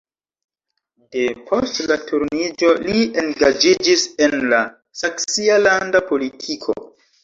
De post la Turniĝo li engaĝiĝis en la saksia landa politiko.